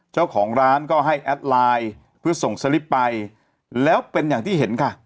เจ้าของร้านก็ให้แอดไลน์เพื่อส่งสลิปไปแล้วเป็นอย่างที่เห็นค่ะ